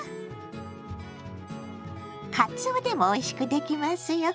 「かつお」でもおいしくできますよ。